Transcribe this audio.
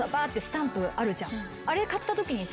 あれ買ったときにさ。